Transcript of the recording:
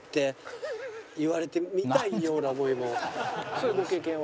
そういうご経験は？